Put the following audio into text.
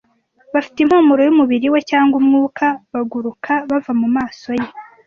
Bafite impumuro yumubiri we cyangwa umwuka, baguruka bava mumaso ye.